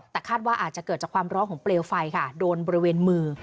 แต่คาดว่าอาจจะเกิดจากความร้อนของเปลวไฟค่ะโดนบริเวณมือ